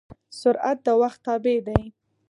سرعت د وخت تابع دی.